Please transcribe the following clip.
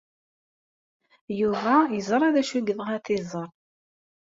Yuba yeẓra d acu ay yebɣa ad t-iẓer.